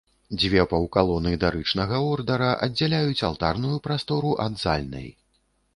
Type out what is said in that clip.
Дзве паўкалоны дарычнага ордара аддзяляюць алтарную прастору ад зальнай.